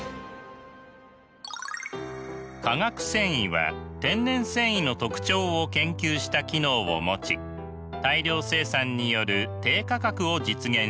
化学繊維は天然繊維の特徴を研究した機能を持ち大量生産による低価格を実現しています。